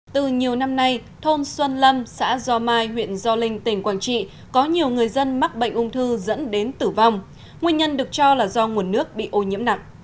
từ nhiều năm nay thôn xuân lâm xã do mai huyện do linh tỉnh quảng trị có nhiều người dân mắc bệnh ung thư dẫn đến tử vong nguyên nhân được cho là do nguồn nước bị ô nhiễm nặng